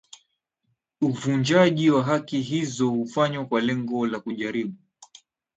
uvunjaji wa haki hizo hufanywa kwa lengo la kujaribu